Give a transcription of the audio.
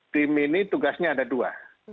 tim ini tugasnya ada dua